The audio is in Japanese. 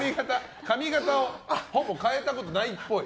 髪形をほぼ変えたことないっぽい